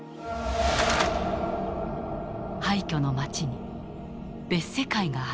廃虚の街に別世界があった。